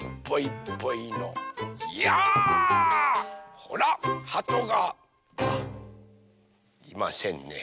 ほらはとがいませんね。